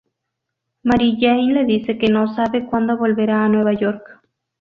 Mary Jane le dice que no sabe cuándo volverá a Nueva York.